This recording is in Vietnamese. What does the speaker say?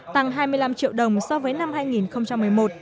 tăng hai mươi năm triệu đồng so với năm hai nghìn một mươi một